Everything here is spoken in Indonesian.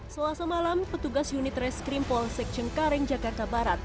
selasa malam petugas unit reskrim polsek cengkareng jakarta barat